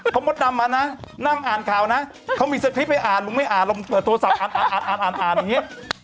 เพราะมดดำมานะนั่งอ่านข่าวนะเขามีสคริปต์ให้อ่านมึงไม่อ่านลุงเปิดโทรศัพท์อ่านอ่านอ่านอย่างนี้